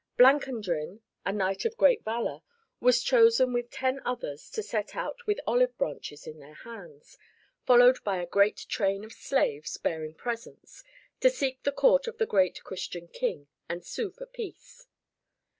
Blancandrin, a knight of great valor, was chosen with ten others to set out with olive branches in their hands, followed by a great train of slaves bearing presents, to seek the court of the great Christian King and sue for peace.